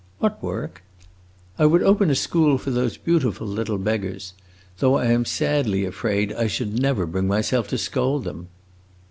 "What work?" "I would open a school for those beautiful little beggars; though I am sadly afraid I should never bring myself to scold them."